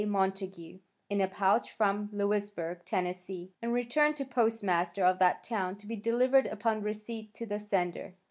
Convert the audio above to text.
Montague, in a pouch from Lewisburg, Tenn., and returned to postmaster of that town to be delivered upon receipt to the sender.